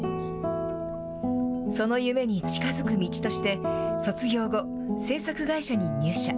その夢に近づく道として、卒業後、制作会社に入社。